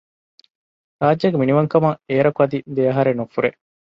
ރާއްޖޭގެ މިނިވަންކަމަކަށް އޭރަކު އަދި ދެއަހަރެއް ނުފުރޭ